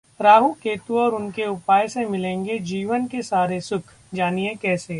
राहु केतु और उनके उपाय से मिलेंगे जीवन के सारे सुख, जानिए कैसे?